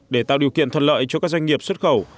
để tạo điều kiện thuận lợi cho các doanh nghiệp xuất khẩu